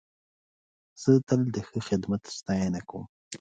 زه تل د ښه خدمت ستاینه کوم.